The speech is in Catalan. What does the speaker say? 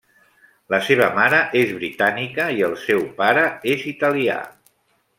La seva mare és britànica i el seu pare és italià.